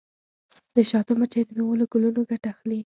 د شاتو مچۍ د میوو له ګلونو ګټه اخلي.